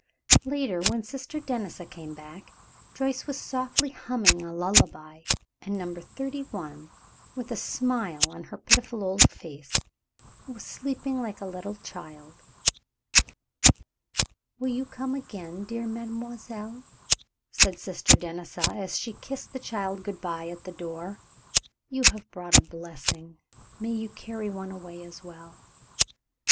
Later, when Sister Denisa came back, Joyce was softly humming a lullaby, and Number Thirty one, with a smile on her pitiful old face, was sleeping like a little child. "You will come again, dear mademoiselle," said Sister Denisa, as she kissed the child good by at the door. "You have brought a blessing, may you carry one away as well!"